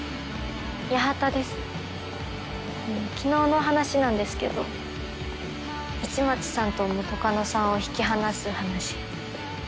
八幡で昨日の話なんですけど市松さんと元カノさんを引き離す話。